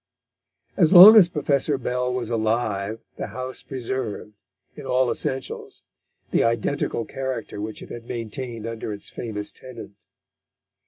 As long as Professor Bell was alive the house preserved, in all essentials, the identical character which it had maintained under its famous tenant.